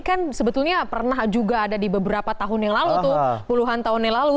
kan sebetulnya pernah juga ada di beberapa tahun yang lalu tuh puluhan tahun yang lalu